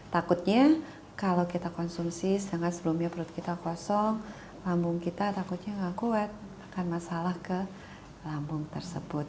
takutnya kalau kita konsumsi sedangkan sebelumnya perut kita kosong lambung kita takutnya nggak kuat akan masalah ke lambung tersebut